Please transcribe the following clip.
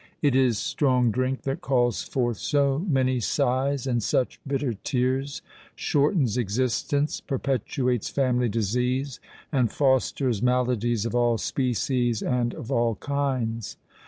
It is strong drink that calls forth so many sighs and such bitter tears—shortens existence—perpetuates family disease—and fosters maladies of all species and of all kinds.